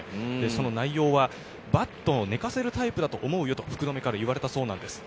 内容はバットを寝かせるタイプだと思うよと福留から言われたそうです。